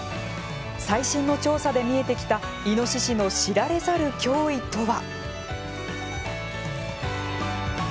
最新の調査で見えてきたイノシシの知られざる脅威とは。